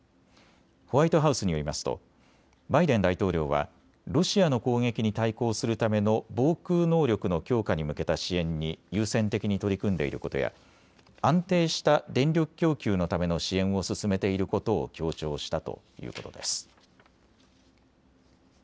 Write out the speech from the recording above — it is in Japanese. ホワイトハウスによりますとバイデン大統領はロシアの攻撃に対抗するための防空能力の強化に向けた支援に優先的に取り組んでいることや安定した電力供給のための支援を進めていることを強調したということです。